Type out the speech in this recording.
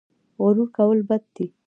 غرور کول بد دي